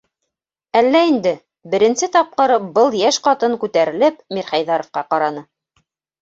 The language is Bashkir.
Әллә инде, - беренсе тапҡыр был йәш ҡатын күтәрелеп Мирхәйҙәровҡа ҡараны.